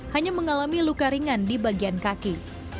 hanya mengalami luka ringan di bagian kaki